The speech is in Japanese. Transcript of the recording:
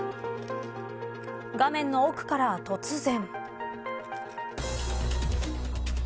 画面の奥から突然。